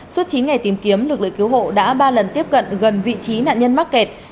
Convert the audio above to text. suốt chín ngày tìm kiếm lực lượng cứu hộ đã ba lần tiếp cận gần vị trí nạn nhân mắc kẹt